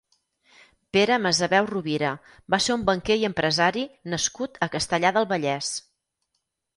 Pere Masaveu Rovira va ser un banquer i empresari nascut a Castellar del Vallès.